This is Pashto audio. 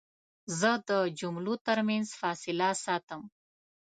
زه د جملو ترمنځ فاصله ساتم.